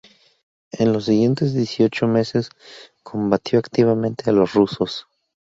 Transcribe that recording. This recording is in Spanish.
En los siguiente dieciocho meses, combatió activamente a los rusos.